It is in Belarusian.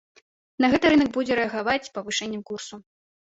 На гэта рынак будзе рэагаваць павышэннем курсу.